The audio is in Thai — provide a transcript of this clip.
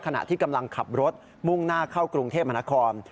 ขณะที่กำลังขับรถมุ่งหน้าเข้ากรุงเทพมนาคม